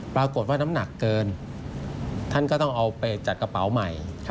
ปรากฏว่าน้ำหนักเกินท่านก็ต้องเอาไปจัดกระเป๋าใหม่